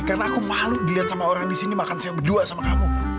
karena aku malu dilihat sama orang disini makan siang berdua sama kamu